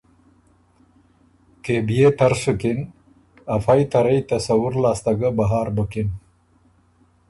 کېبئے تر سُکِن افئ ته رئ تصور لاسته ګۀ بهر بُکِن